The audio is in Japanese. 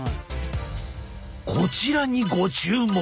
こちらにご注目！